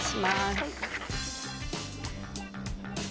はい。